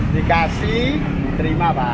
dikasih diterima pak